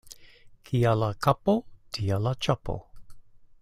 Kia la kapo, tia la ĉapo.